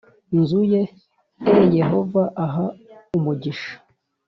nzu ye e Yehova aha umugisha